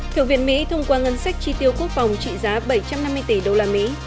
thượng viện mỹ thông qua ngân sách chi tiêu quốc phòng trị giá bảy trăm năm mươi tỷ usd